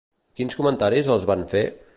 Quins comentaris els van fer?